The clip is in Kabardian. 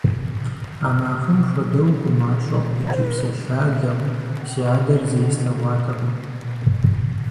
А махуэм хуэдэу гумащӀэу икӀи псалъалэу си адэр зэи слъэгъуатэкъым.